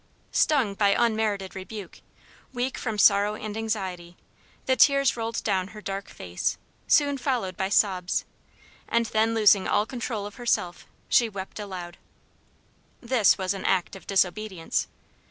Stung by unmerited rebuke, weak from sorrow and anxiety, the tears rolled down her dark face, soon followed by sobs, and then losing all control of herself, she wept aloud. This was an act of disobedience.